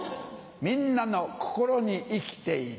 みんなの心に生きている。